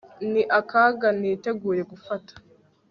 Ni akaga niteguye gufata